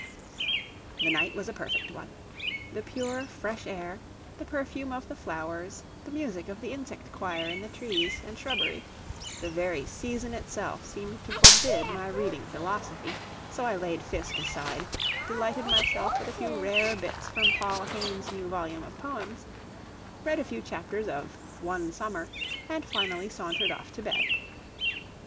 The night was a perfect one. The pure fresh air, the perfume of the flowers, the music of the insect choir in the trees and shrubbery the very season itself seemed to forbid my reading philosophy, so I laid Fiske aside, delighted myself with a few rare bits from Paul Hayne's new volume of poems, read a few chapters of "One Summer," and finally sauntered off to bed.